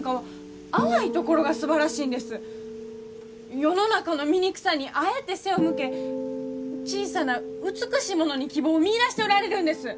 世の中の醜さにあえて背を向け小さな美しいものに希望を見いだしておられるんです！